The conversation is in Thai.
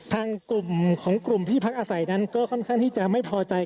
ทางกลุ่มของกลุ่มที่พักอาศัยนั้นก็ค่อนข้างที่จะไม่พอใจ